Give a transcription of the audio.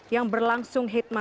yang berlangsung khidmat